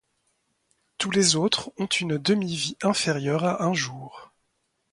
Tous les autres ont une demi-vie inférieure à un jour.